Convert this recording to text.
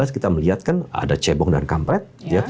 dua ribu sembilan belas kita melihat kan ada cebong dan kampret ya